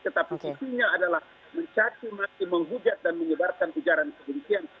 tetapi isinya adalah mencacimaki menghujat dan menyebarkan ujaran kebencian